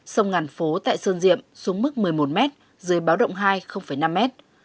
sông ngàn phố tại sơn diệm xuống mức một mươi một mét dưới báo động hai năm mét